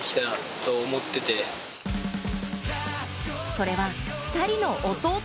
それは、２人の弟！